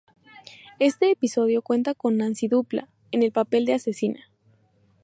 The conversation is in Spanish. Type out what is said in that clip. Este episodio cuenta con Nancy Dupláa, en el papel de asesina.